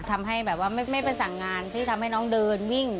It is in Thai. ทำให้แบบว่าไม่ไปสั่งงานที่ทำให้น้องเดินวิ่ง